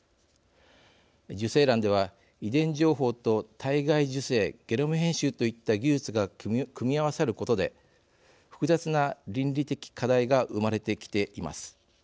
受精卵では、遺伝情報と体外受精ゲノム編集といった技術が組み合わさることで複雑な倫理的課題が生まれてきています。